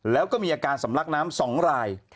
แล้วก็มีอาการสำลักน้ำ๒ราย